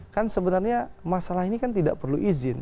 kan sebenarnya masalah ini kan tidak perlu izin